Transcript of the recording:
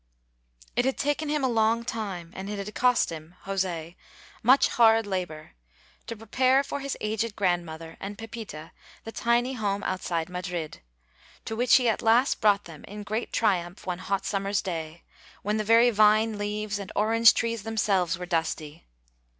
It had taken him a long time, and it had cost him José much hard labor, to prepare for his aged grandmother and Pepita the tiny home outside Madrid, to which he at last brought them in great triumph one hot summer's day, when the very vine leaves and orange trees themselves were dusty.